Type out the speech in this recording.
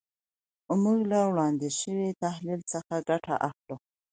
موږ له وړاندې شوي تحلیل څخه ګټه اخلو.